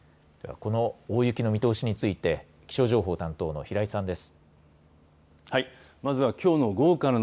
この大雪の見通しについて気象情報担当の平井さんです。